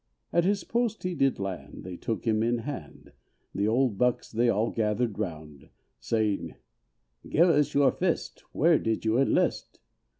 At his post he did land, they took him in hand, The old bucks they all gathered 'round, Saying "Give us your fist; where did you enlist?